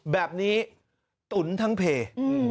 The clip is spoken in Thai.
แบบนี้ตุ๋นทั้งเพจ